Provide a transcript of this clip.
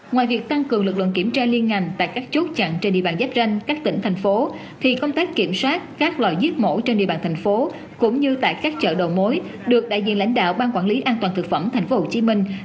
ngoài việc tăng cường công tác kiểm tra và quản lý dịch tả heo tại các chốt chặn thu y